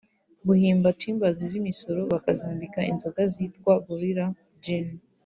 guhimba timbres z’imisoro bakazambika inzoga zitwa Gorilla Gin